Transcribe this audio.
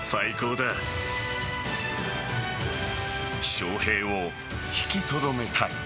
翔平を引きとどめたい。